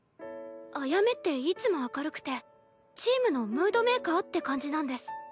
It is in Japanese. アヤメっていつも明るくてチームのムードメーカーって感じなんです。